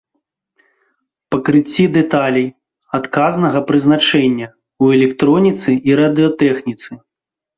Пакрыцці дэталей адказнага прызначэння ў электроніцы і радыётэхніцы.